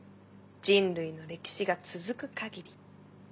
人類の歴史が続く限り。